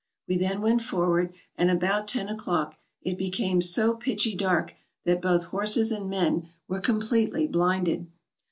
We then went forward, and about ten o'clock it became so pitchy dark that both horses and men were completely blinded.